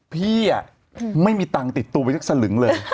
พี่ไม่มีตังค์ติดตัวไปสักสลึงเลย